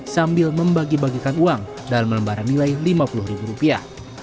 sambil membagi bagikan uang dalam lembaran nilai lima puluh ribu rupiah